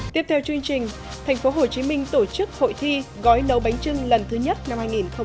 tiếp theo chương trình tp hcm tổ chức hội thi gói nấu bánh trưng lần thứ nhất năm hai nghìn hai mươi